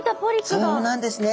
そうなんですね。